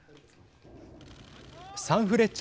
サンフレッチェ